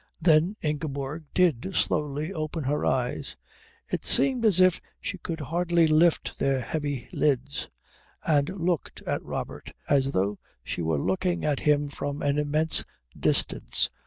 Then Ingeborg did slowly open her eyes it seemed as if she could hardly lift their heavy lids and looked at Robert as though she were looking at him from an immense distance.